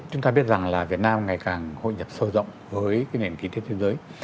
chúng ta biết rằng là việt nam ngày càng hội nhập sâu rộng với cái nền kinh tế thế giới